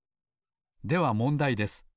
ではもんだいです。